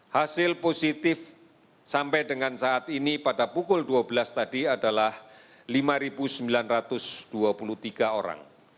hasil positif sampai dengan saat ini pada pukul dua belas tadi adalah lima sembilan ratus dua puluh tiga orang